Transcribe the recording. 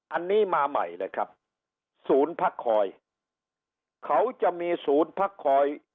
อันนี้มาใหม่เลยครับศูนย์พักคอยเขาจะมีศูนย์พักคอย